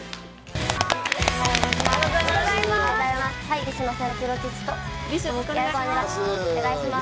おはようございます。